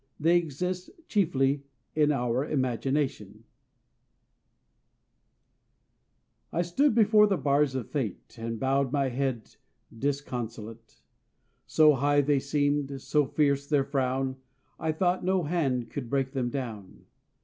They exist chiefly in our imaginations. I stood before the bars of Fate And bowed my head disconsolate; So high they seemed, so fierce their frown. I thought no hand could break them down.